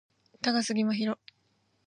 高杉真宙